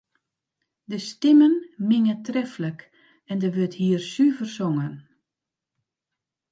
De stimmen minge treflik en der wurdt hiersuver songen.